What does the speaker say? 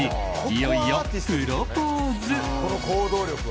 いよいよプロポーズ。